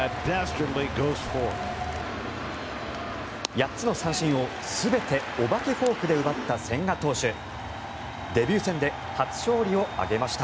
８つの三振を全てお化けフォークで奪った千賀投手デビュー戦で初勝利を挙げました。